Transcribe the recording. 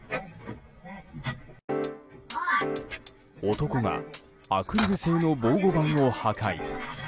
男がアクリル製の防護板を破壊。